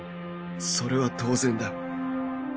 それは当然だ